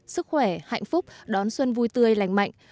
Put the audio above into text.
sức khỏe hạnh phúc đón xuân vui tươi lành mạnh